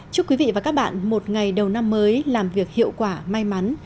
chúc quý vị và các bạn một ngày đầu năm mới làm việc hiệu quả may mắn